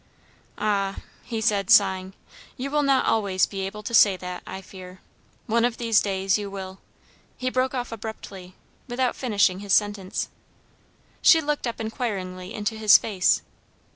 "Ah!" he said, sighing, "you will not always be able to say that, I fear. One of these days you will " He broke off abruptly, without finishing his sentence. She looked up inquiringly into his face.